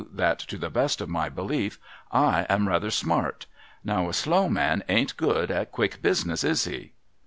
that to the best of my belief I am ra'ather smart. Now a slow man ain't good at quick business, is he